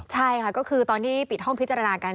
ใช่ค่ะก็คือตอนที่ปิดห้องพิจารณากัน